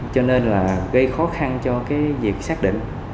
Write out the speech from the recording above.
cho nên là gây khó khăn cho cái việc xác định